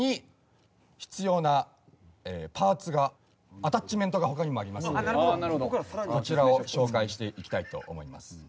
アタッチメントが他にもありますのでこちらを紹介していきたいと思います。